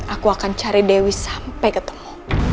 aku akan cari dewi sampai ketemu